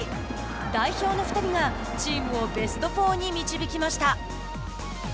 代表の２人がチームをベスト４に導きました。